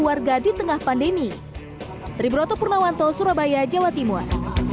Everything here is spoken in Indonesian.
warga di tengah pandemi triburoto purnawanto surabaya jawa timur